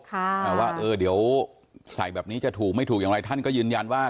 แต่ว่าเออเดี๋ยวใส่แบบนี้จะถูกไม่ถูกอย่างไรท่านก็ยืนยันว่า